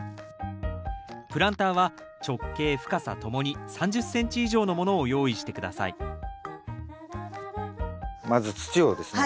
プランターは直径深さともに３０ｃｍ以上のものを用意して下さいまず土をですね